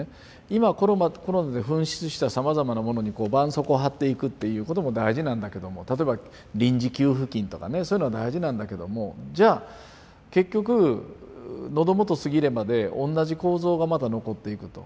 今コロナで噴出したさまざまなものにこう絆創膏を貼っていくっていうことも大事なんだけども例えば臨時給付金とかねそういうのは大事なんだけどもじゃあ結局「喉元過ぎれば」で同じ構造がまた残っていくと。